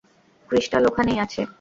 Crystal ওখানেই আছে।